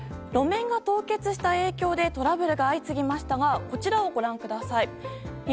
路面が凍結した影響でトラブルが相次ぎましたがこちらをご覧ください。